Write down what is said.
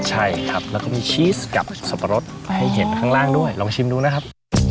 ใช่ครับแล้วก็มีชีสกับสับปะรดให้เห็นข้างล่างด้วยลองชิมดูนะครับ